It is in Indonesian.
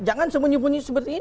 jangan semunyi munyi seperti ini